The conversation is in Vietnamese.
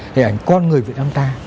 hình ảnh con người việt nam ta